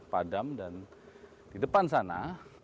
padam dan di depan sana